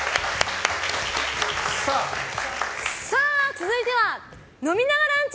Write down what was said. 続いては飲みながランチ！